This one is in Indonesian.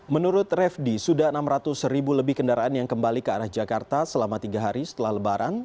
menurut refdi sudah enam ratus ribu lebih kendaraan yang kembali ke arah jakarta selama tiga hari setelah lebaran